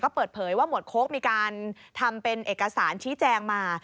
เปิดเผยว่าหมวดโค้กมีการทำเป็นเอกสารชี้แจงมา